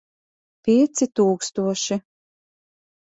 Pieci tūkstoši.